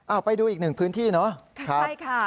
เอาไปดูอีกหนึ่งพื้นที่เนาะใช่ค่ะ